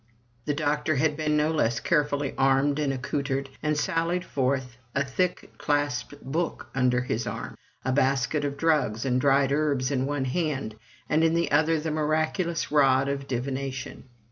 The doctor had been no less carefully armed and accoutred, and sallied forth, a thick clasped book under his arm, a basket of drugs and dried herbs in one hand, and in the other the miraculous rod of divination.